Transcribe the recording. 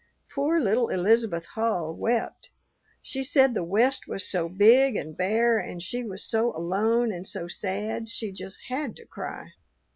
Poor little Elizabeth Hull wept. She said the West was so big and bare, and she was so alone and so sad, she just had to cry.